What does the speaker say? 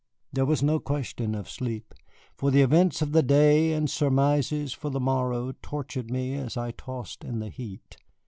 There was no question of sleep, for the events of the day and surmises for the morrow tortured me as I tossed in the heat.